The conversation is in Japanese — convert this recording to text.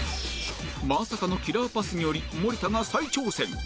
まさかのキラーパスにより森田が再挑戦